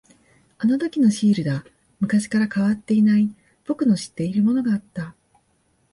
あのときのシールだ。昔から変わっていない、僕の知っているものがあった。